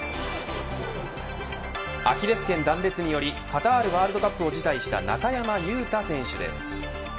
アキレス腱断裂によりカタールワールドカップを辞退した中山雄太選手です。